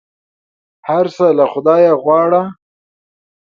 هر څه له خدایه غواړه !